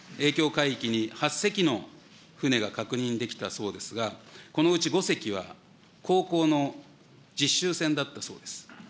海域に８隻の船が確認できたそうですが、このうち５隻は高校の実習船だったそうです。